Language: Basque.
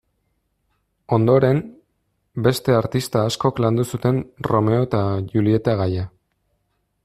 Ondoren, beste artista askok landu zuten Romeo eta Julieta gaia.